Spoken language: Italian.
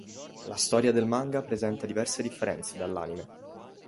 La storia del manga presenta diverse differenze dall'anime.